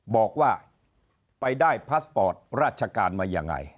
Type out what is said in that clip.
บอกว่าไปได้พาสปอร์ตราชการมายังไง